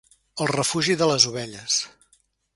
El refugi de les ovelles.